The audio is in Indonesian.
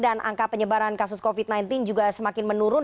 dan angka penyebaran kasus covid sembilan belas juga semakin menurun